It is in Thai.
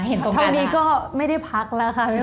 เท่านี้ก็ไม่ได้คุณพักเราเลย